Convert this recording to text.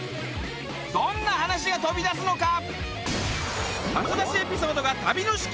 どんな話が飛び出すのか？